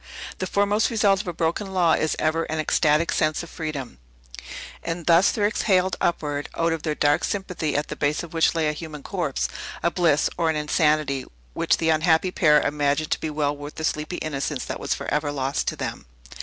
The foremost result of a broken law is ever an ecstatic sense of freedom. And thus there exhaled upward (out of their dark sympathy, at the base of which lay a human corpse) a bliss, or an insanity, which the unhappy pair imagined to be well worth the sleepy innocence that was forever lost to them.